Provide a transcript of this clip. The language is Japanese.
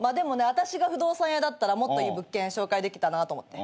私が不動産屋だったらもっといい物件紹介できたなと思って。